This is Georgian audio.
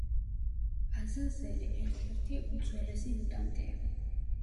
აზაზელი ერთ-ერთი უძველესი მუტანტია.